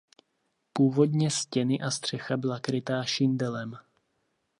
Původně stěny a střecha byla krytá šindelem.